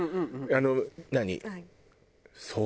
あの何？